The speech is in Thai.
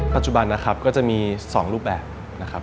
ปัจจุบันนะครับก็จะมี๒รูปแบบนะครับ